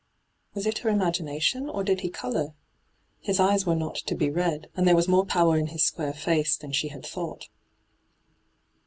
Was it her imagination, or did he colour ? His eyes were not to be read, and there w^ more power in his square face than she had thought.